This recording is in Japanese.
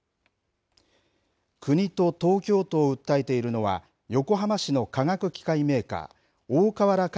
国と東京都を訴えているのは、横浜市の化学機械メーカー、大川原化